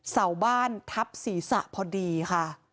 เสาบ้านทับศีรษะพอดีค่ะ